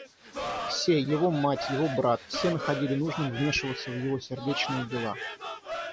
Все, его мать, его брат, все находили нужным вмешиваться в его сердечные дела.